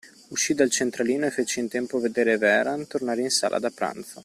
Uscí dal centralino e fece in tempo a vedere Vehrehan tornare in sala da pranzo.